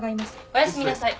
おやすみなさい。